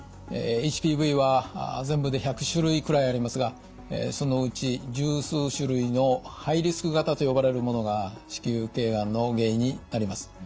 ＨＰＶは全部で１００種類くらいありますがそのうち１０数種類のハイリスク型と呼ばれるものが子宮頸がんの原因になります。